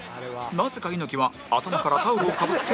なぜか猪木は頭からタオルをかぶって入場